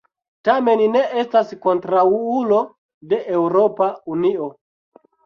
Tamen ne estas kontraŭulo de Eŭropa Unio.